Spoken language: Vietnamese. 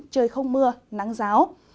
trời không mưa nắng giáo